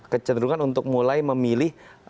kecenderungan untuk mulai memilih